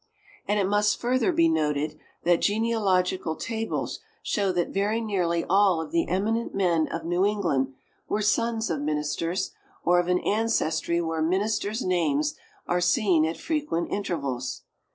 And it must further be noted that genealogical tables show that very nearly all of the eminent men of New England were sons of ministers, or of an ancestry where ministers' names are seen at frequent intervals.